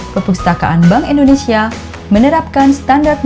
pemustakaan bank indonesia menerapkan standar budaya